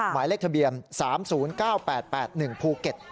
หมายเลขทะเบียน๓๐๙๘๘๑ภูเก็ต